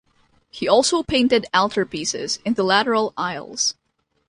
He also painted altarpieces in the lateral aisles.